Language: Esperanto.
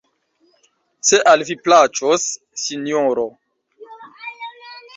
Se al vi plaĉos, Sinjoro...